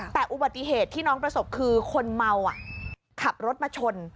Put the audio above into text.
แต่อุบัติเหตุที่น้องประสบคือคนเมาขับรถมาชน